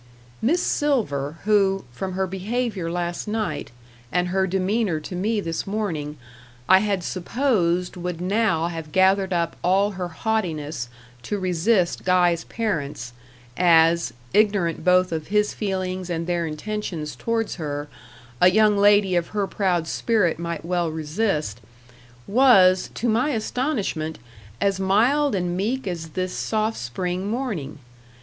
Miss Silver, who, from her behaviour last night, and her demeanour to me this morning, I had supposed would now have gathered up all her haughtiness to resist Guy's parents as, ignorant both of his feelings and their intentions towards her, a young lady of her proud spirit might well resist was, to my astonishment, as mild and meek as this soft spring morning.